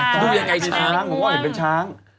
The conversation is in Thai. หนูก็เห็นเป็นช้าง